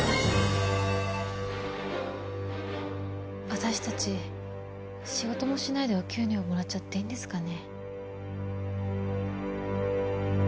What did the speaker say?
私たち仕事もしないでお給料もらっちゃっていいんですかね？